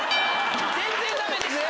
全然ダメでした。